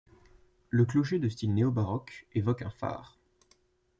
Le clocher de Style néo-baroque évoque un phare.